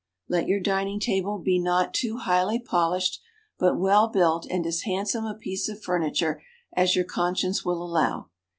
Let your dining table be not too highly polished, but well built and as handsome a piece of furniture as your conscience will allow.